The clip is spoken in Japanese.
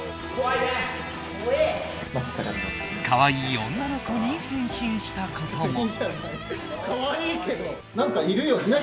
可愛い女の子に変身したことも。